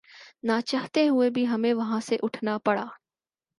ناچاہتے ہوئے بھی ہمیں وہاں سے اٹھنا پڑا